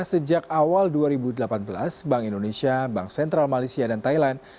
sejak awal dua ribu delapan belas bank indonesia bank sentral malaysia dan thailand